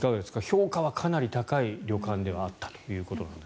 評価はかなり高い旅館ではあったということです。